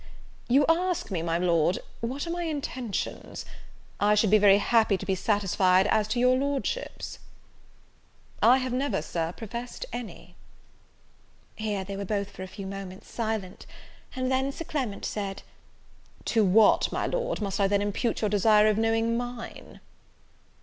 "You ask me, my Lord, what are my intentions? I should be very happy to be satisfied as to your Lordship's." "I have never, Sir, professed any." Here they were both, for a few moments, silent; and then Sir Clement said, "To what, my Lord, must I then impute your desire of knowing mine?"